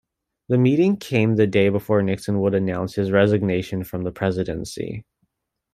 The meeting came the day before Nixon would announce his resignation from the presidency.